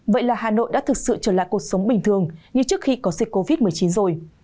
vậy là hà nội đã thực sự trở lại cuộc sống bình thường như trước khi có dịch covid một mươi chín rồi